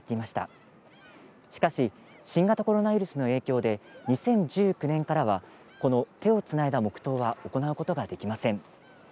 しかし新型コロナウイルスの影響で２０１９年からは手をつないだ黙とうが行うことができません。